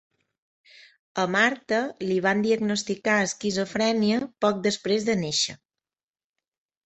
A Martha li van diagnosticar esquizofrènia poc després de néixer.